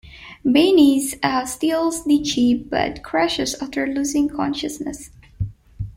Baines steals the jeep, but crashes after losing consciousness.